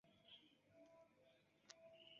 Li estas tre danĝera.